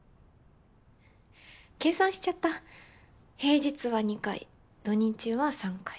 計算しちゃった平日は２回土日は３回。